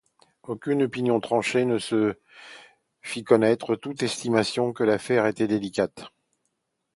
Aucune opinion tranchée ne se fit connaitre, tous estimaient que l'affaire était délicate.